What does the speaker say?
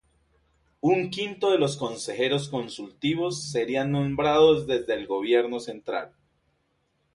Un quinto de los consejeros consultivos serían nombrados desde el gobierno central.